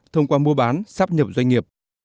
thông qua mua bán sắp nhập doanh nghiệp